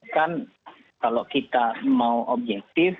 kan kalau kita mau objektif